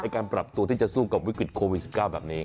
การปรับตัวที่จะสู้กับวิกฤตโควิด๑๙แบบนี้